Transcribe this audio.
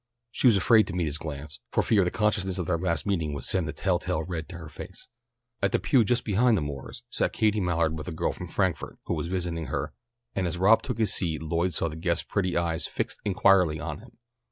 She was afraid to meet his glance, for fear the consciousness of their last meeting would send the telltale red to her face. In the pew just behind the Moores' sat Katie Mallard with a girl from Frankfort, who was visiting her, and as Rob took his seat Lloyd saw the guest's pretty eyes fixed inquiringly on him.